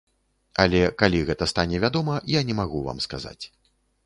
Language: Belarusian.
Але калі гэта стане вядома, я не магу вам сказаць.